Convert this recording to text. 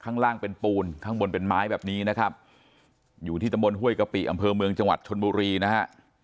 ข้างล่างเป็นปูนข้างบนเป็นไม้แบบนี้นะครับอยู่ที่ตำบลห้วยกะปิอำเภอเมืองจังหวัดชนบุรีนะฮะ